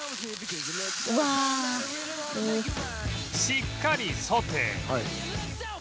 しっかりソテー